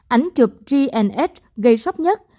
ảnh chụp g h gây sốc nhất